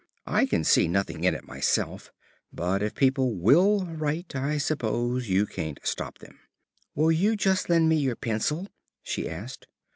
I can see nothing in it myself, but if people will write I suppose you can't stop them. "Will you just lend me your pencil?" she asked.